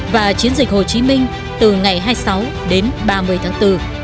và chiến dịch hồ chí minh từ ngày hai mươi sáu đến ba mươi tháng bốn